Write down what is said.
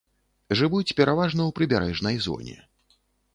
Жывуць пераважна ў прыбярэжнай зоне.